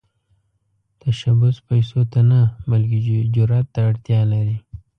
تشبث پيسو ته نه، بلکې جرئت ته اړتیا لري.